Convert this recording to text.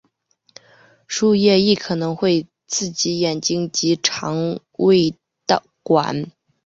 树液亦可能会刺激眼睛及胃肠管。